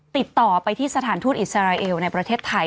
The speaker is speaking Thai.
ติดต่อไปที่สถานทูตอิสราเอลในประเทศไทย